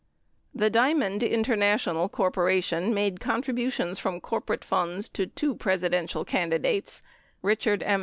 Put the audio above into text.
The Diamond International Corp. made contributions from cor porate funds to two Presidential candidates, Richard M.